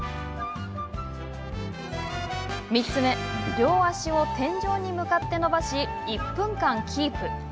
３つ目両足を天井向かって伸ばし１分間キープ。